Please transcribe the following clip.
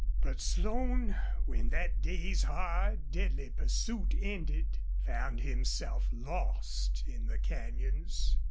But Slone, when that day's hard, deadly pursuit ended, found himself lost in the canyons.